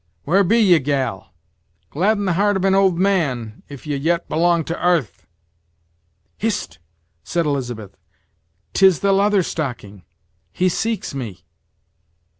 where be ye, gal! gladden the heart of an old man, if ye yet belong to 'arth!" "Hist!" said Elizabeth; "'tis the Leather Stocking; he seeks me!"